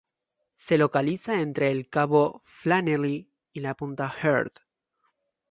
Se localiza entre el cabo Flannery y la punta Herd.